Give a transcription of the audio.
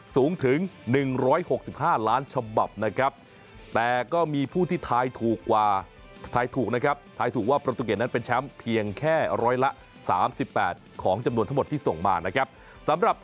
สูงถึง๑๖๕ล้านฉบับนะครับ